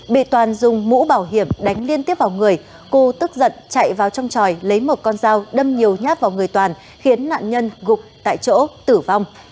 bị toàn dùng mũ bảo hiểm đánh liên tiếp vào người cưu tức giận chạy vào trong tròi lấy một con dao đâm nhiều nhát vào người toàn khiến nạn nhân gục tại chỗ tử vong